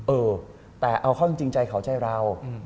เออแต่เอาเข้าจริงใจเขาใจเรา